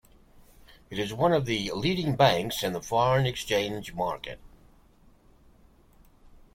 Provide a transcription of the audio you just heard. It is one of the leading banks in the foreign exchange market.